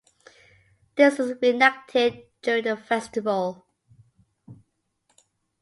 This is re-enacted during the festival.